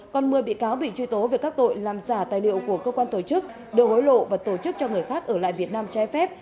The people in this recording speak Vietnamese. còn một mươi bị cáo bị truy tố về các tội làm giả tài liệu của cơ quan tổ chức đưa hối lộ và tổ chức cho người khác ở lại việt nam trái phép